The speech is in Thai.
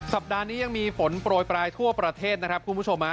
สัปดาห์นี้ยังมีฝนโปรยปลายทั่วประเทศนะครับคุณผู้ชม